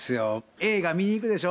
映画見に行くでしょ。